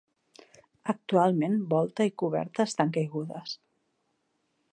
Actualment, volta i coberta estan caigudes.